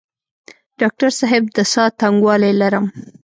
ډاکټر صاحب د ساه تنګوالی لرم؟